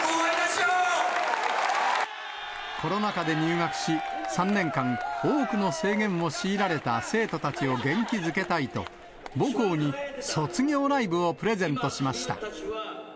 コロナ禍で入学し、３年間、多くの制限を強いられた生徒たちを元気づけたいと、母校に卒業ライブをプレゼントしました。